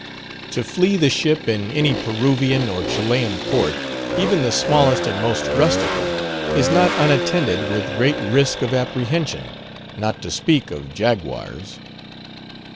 To flee the ship in any Peruvian or Chilian port, even the smallest and most rustical, is not unattended with great risk of apprehension, not to speak of jaguars.